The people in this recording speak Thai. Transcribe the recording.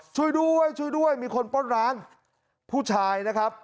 ช่วยด้วยช่วยด้วยมีคนปล้นร้านผู้ชายนะครับ